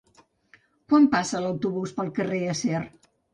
Quan passa l'autobús pel carrer Acer?